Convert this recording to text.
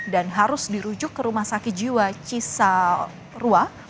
dan harus dirujuk ke rumah sakit jiwa cisarua